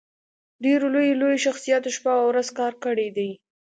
ډېرو لويو لويو شخصياتو شپه او ورځ کار کړی دی